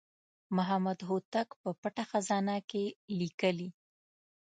محمد هوتک په پټه خزانه کې لیکلي.